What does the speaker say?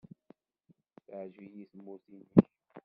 Teɛjeb-iyi tmurt-nnek.